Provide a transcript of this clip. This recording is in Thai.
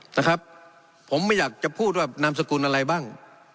นะครับผมไม่อยากจะพูดว่านามสกุลอะไรบ้าง